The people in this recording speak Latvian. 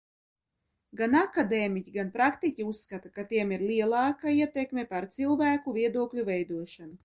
Gan akadēmiķi, gan praktiķi uzskata, ka tiem ir lielāka vara pār cilvēku viedokļu veidošanu.